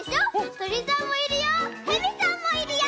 とりさんもいるよ